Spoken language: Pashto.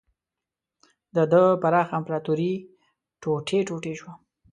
د ده پراخه امپراتوري ټوټې ټوټې شوه.